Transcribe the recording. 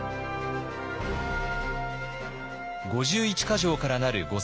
５１か条からなる御